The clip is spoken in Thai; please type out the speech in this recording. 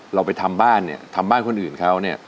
เราไปทำบ้านเนี่ยทำบ้านคนอื่นเขาเนี่ย